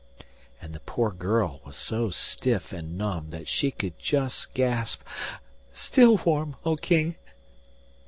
And the poor girl was so stiff and numb that she could just gasp, 'Still warm, O King!